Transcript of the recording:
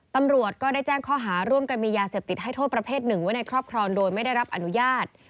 ตำรวจก็ได้แจ้งข้อหาร่วมกันมียาเสพติดให้โทษประเภทหนึ่งไว้ในครอบครองโดยไม่ได้รับอนุญาต